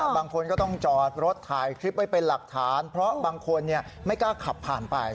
บางคนก็ต้องจอดรถถ่ายคลิปไว้เป็นหลักฐานเพราะบางคนไม่กล้าขับผ่านไป